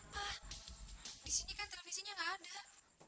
pak di sini kan televisinya gak ada